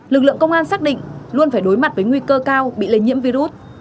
lực lượng công an xác định luôn phải đối mặt với nguy cơ cao bị lây nhiễm virus